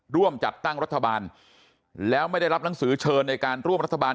ร่วมจัดตั้งรัฐบาลแล้วไม่ได้รับหนังสือเชิญในการร่วมรัฐบาล